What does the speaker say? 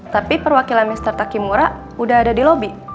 tapi perwakilan mr takimura udah ada di lobby